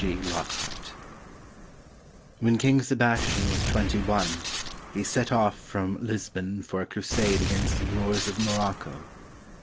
G. LOCKHART [When King Sebastian was twenty one, he set off from Lis bon for a crusade against the Moors of Morocco.